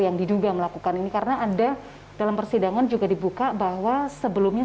yang diduga melakukan ini karena ada dalam persidangan juga dibuka bahwa sebelumnya